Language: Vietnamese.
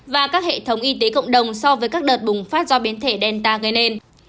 và các hệ thống y tế cộng đồng so với các đợt bùng phát do biến thể delta gây nên